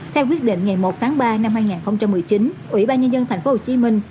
theo quyết định ngày một tháng ba năm hai nghìn một mươi chín ủy ban nhân dân thành phố hồ chí minh